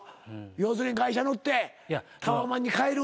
要するに外車乗ってタワマンに帰る。